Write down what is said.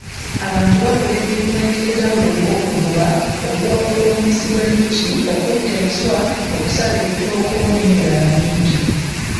Abantu bakola emirimu egy'enjawulo nga okuvuba, okuwakula omubisi gw'enjuki, okutta enswa, okusala ebitoogo, n'emirala mingi.